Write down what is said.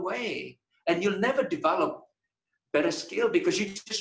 dan anda tidak akan memperkembangkan kemahiran yang lebih baik